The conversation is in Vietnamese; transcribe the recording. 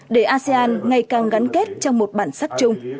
để asean ngày càng gắn kết trong một bản sắc chung